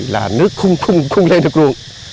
là nước không lên được ruộng